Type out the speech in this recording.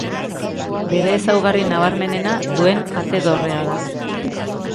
Bere ezaugarri nabarmenena duen Ate-Dorrea da.